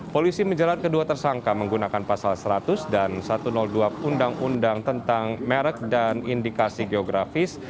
polisi menjerat kedua tersangka menggunakan pasal seratus dan satu ratus dua undang undang tentang merek dan indikasi geografis